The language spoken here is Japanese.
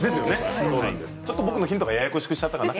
僕のヒントがややこしくしちゃったかな。